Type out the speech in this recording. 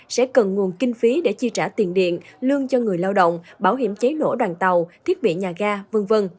sẽ cần nguồn kinh phí để chi trả tiền điện lương cho người lao động bảo hiểm cháy nổ đoàn tàu thiết bị nhà ga v v